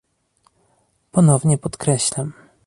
Ponownie podkreślam